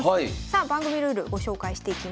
さあ番組ルールご紹介していきます。